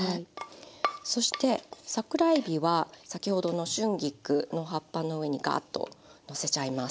そして桜えびは先ほどの春菊の葉っぱの上にガーッとのせちゃいます。